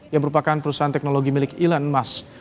yang merupakan perusahaan teknologi milik elon musk